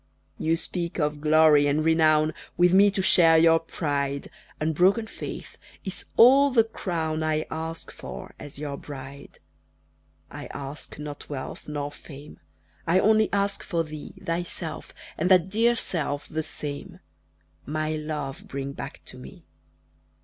You speak of glory and renown, With me to share your pride, Unbroken faith is all the crown I ask for as your bride. I ask not wealth nor fame, I only ask for thee, Thyself and that dear self the same My love, bring back to me!